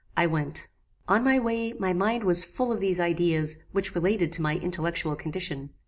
I went. On my way my mind was full of these ideas which related to my intellectual condition.